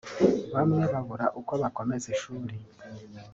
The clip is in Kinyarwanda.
bamwe babura uko bakomeza ishuri